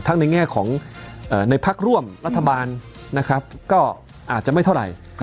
ทั้งในแง่ของในพักร่วมรัฐบาลก็อาจจะไม่เท่าไร